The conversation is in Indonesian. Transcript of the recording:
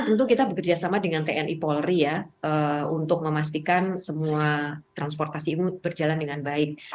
tentu kita bekerjasama dengan tni polri ya untuk memastikan semua transportasi umum berjalan dengan baik